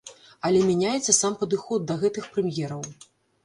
Але мяняецца сам падыход да гэтых прэм'ераў.